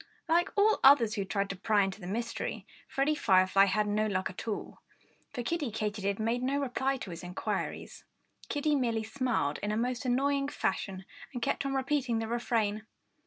Like all others who tried to pry into the mystery, Freddie Firefly had no luck at all. For Kiddie Katydid made no reply to his inquiries. Kiddie merely smiled in a most annoying fashion and kept on repeating the refrain.